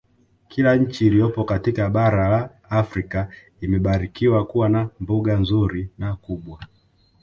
Kila nchi iliyopo katika bara la Afrika imebarikiwa kuwa na mbuga nzuri na kubwa